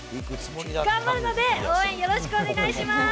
頑張るので、応援よろしくお願いします。